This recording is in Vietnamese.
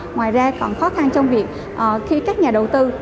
ngoài ra còn khó khăn trong việc khi các nhà đầu tư